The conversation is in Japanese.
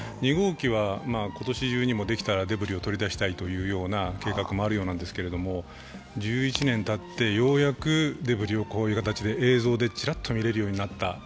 ２号機は今年中にもできたらデブリを取り出したいという計画もあるようなんですけれども、１１年たってようやくデブリをこういう形で映像でチラッと見れるようになった。